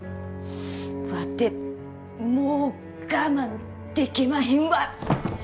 ワテもう我慢でけまへんわ！